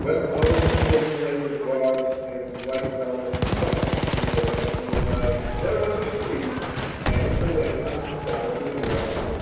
When our nickel plated bars and white helmets flashed in the lantern light, there was a shriek, and the lantern fell to the ground.